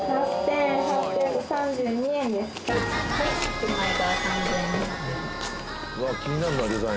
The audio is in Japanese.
１枚が３，２００円。